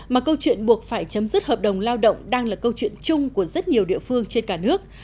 mà câu chuyện buộc phải chấm dứt hợp đồng lao động đang là câu chuyện chung của rất nhiều địa phương trên cả nước